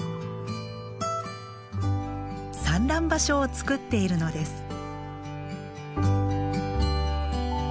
産卵場所を作っているのです。